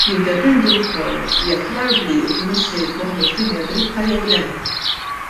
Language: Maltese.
Jiddependi wkoll jekk l-arbli jkunux se jitwaħħlu f'linja dritta jew le.